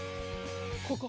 ここ。